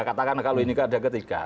katakanlah kalau ini keadaan ketiga